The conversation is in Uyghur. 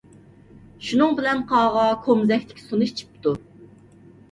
شۇنىڭ بىلەن قاغا كومزەكتىكى سۇنى ئىچىپتۇ.